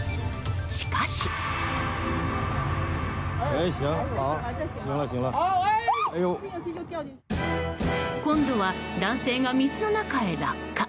しかし。今度は男性が水の中へ落下。